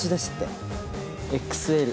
ＸＬ。